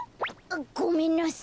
ごめんなさい。